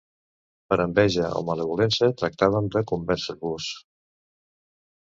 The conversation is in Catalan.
Per enveja o malvolença, tractaven de convèncer-vos.